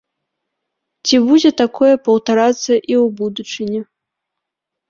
Ці будзе такое паўтарацца і ў будучыні?